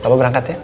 apa berangkat ya